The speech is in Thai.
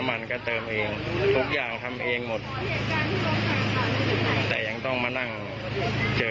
อันนี้คือคนที่เห็นเหตุการณ์ไม่มีญาติมีน้องนะ